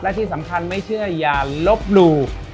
และที่สำคัญไม่เชื่ออย่าลบหลู่